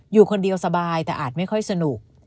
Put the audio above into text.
อยู่คนเดียวสบายแต่อาจไม่ค่อยสนุก